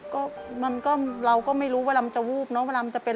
ก็มันก็เราก็ไม่รู้เวลามันจะวูบเนอะเวลามันจะเป็น